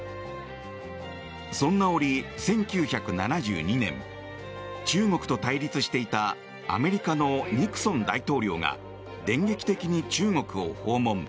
そんな折、１９７２年中国と対立していたアメリカのニクソン大統領が電撃的に中国を訪問。